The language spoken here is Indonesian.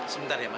sebentar ya mam